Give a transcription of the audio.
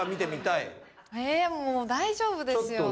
もう大丈夫ですよ。